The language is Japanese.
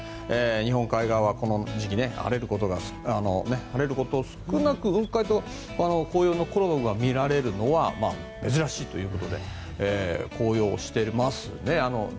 日本海側は、この時期晴れることが少なく雲海と紅葉のコラボが見られるのは珍しいということで紅葉していますね。